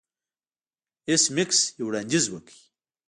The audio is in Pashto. ایس میکس یو وړاندیز وکړ